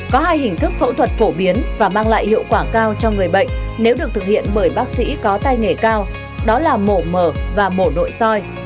có hai hình thức phẫu thuật phổ biến và mang lại hiệu quả cao cho người bệnh nếu được thực hiện bởi bác sĩ có tay nghề cao đó là mổ mở và mổ nội soi